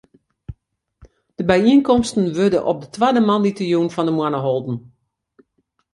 De byienkomsten wurde op de twadde moandeitejûn fan de moanne holden.